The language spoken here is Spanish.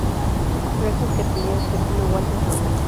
Record que tenia el Argentino Walter Samuel.